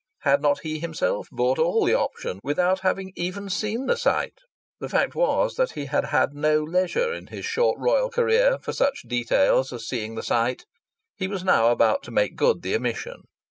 Had not he himself bought all the option without having even seen the site? The fact was that he had had no leisure in his short royal career for such details as seeing the site. He was now about to make good the omission.